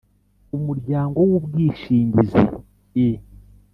umuryango w’ubwishingizi i